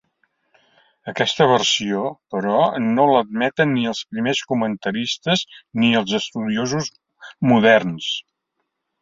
Aquesta versió, però, no l'admeten ni els primers comentaristes ni els estudiosos moderns.